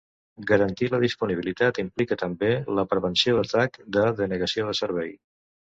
Garantir la disponibilitat implica també la prevenció d'atac de denegació de servei.